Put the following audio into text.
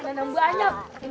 makanan yang banyak